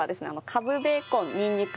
カブベーコンにんにく